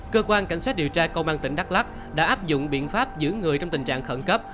cơ quan cảnh sát điều tra công an tỉnh đắk lắc đã áp dụng biện pháp giữ người trong tình trạng khẩn cấp